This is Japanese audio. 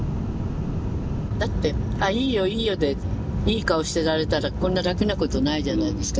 だって「あっいいよいいよ」でいい顔してられたらこんな楽なことないじゃないですか。